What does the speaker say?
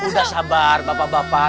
udah sabar bapak bapak